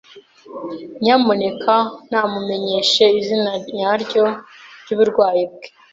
Nyamuneka ntumumenyeshe izina nyaryo ry'uburwayi bwe.